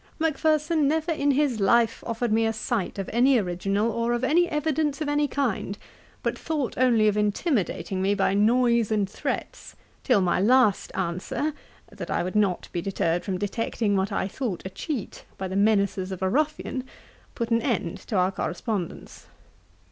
Macpherson never in his life offered me a sight of any original or of any evidence of any kind; but thought only of intimidating me by noise and threats, till my last answer, that I would not be deterred from detecting what I thought a cheat, by the menaces of a ruffian put an end to our correspondence.